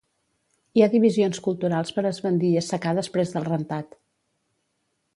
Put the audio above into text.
Hi ha divisions culturals per esbandir i assecar després del rentat.